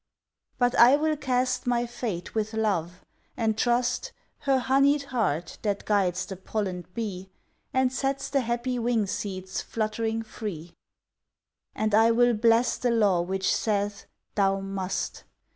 But I will cast my fate with love, and trust Her honeyed heart that guides the pollened bee And sets the happy wing seeds fluttering free; And I will bless the law which saith, Thou must!